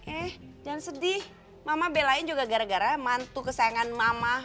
eh dan sedih mama belain juga gara gara mantu kesayangan mama